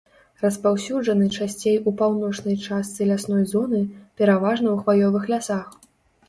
Распаўсюджаны часцей у паўночнай частцы лясной зоны, пераважна ў хваёвых лясах.